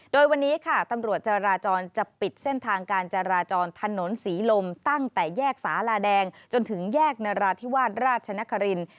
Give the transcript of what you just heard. โดยวันนี้ค่ะตำรวจจาราจรจะปิดเส้นทางการจราจรถนนศรีลมตั้งแต่แยกสาลาแดงจนถึงแยกนราธิวาสราชนคริน